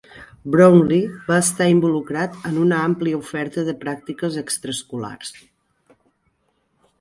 Brownlee va estar involucrat en una àmplia oferta de pràctiques extraescolars.